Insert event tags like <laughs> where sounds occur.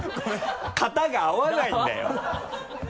型が合わないんだよ <laughs>